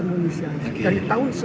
dan saya juga berada di nii